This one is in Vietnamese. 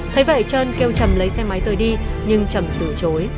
thấy vậy trơn kêu trầm lấy xe máy rơi đi nhưng trầm từ chối